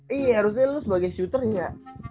iya harusnya lu sebagai shooter nggak